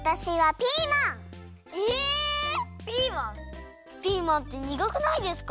ピーマンってにがくないですか？